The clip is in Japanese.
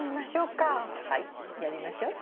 はいやりましょ。